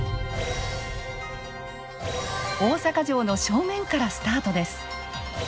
大阪城の正面からスタートです。